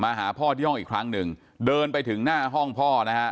หาพ่อที่ห้องอีกครั้งหนึ่งเดินไปถึงหน้าห้องพ่อนะฮะ